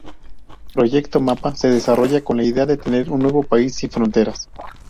Proyecto Mapa se desarrolla con la idea de tener un nuevo país sin fronteras.